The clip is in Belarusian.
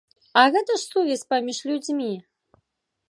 А гэта ж сувязь паміж людзьмі.